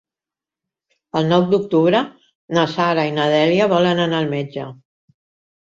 El nou d'octubre na Sara i na Dèlia volen anar al metge.